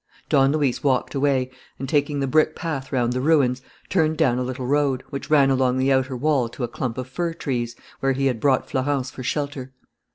Don Luis walked away and, taking the brick path round the ruins, turned down a little road, which ran along the outer wall to a clump of fir trees, where he had brought Florence for shelter.